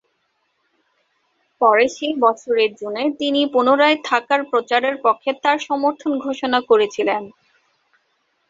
পরে সেই বছরের জুনে, তিনি পুনরায় থাকার প্রচারের পক্ষে তার সমর্থন ঘোষণা করেছিলেন।